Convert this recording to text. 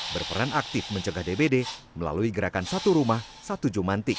berperan aktif mencegah dbd melalui gerakan satu rumah satu jumantik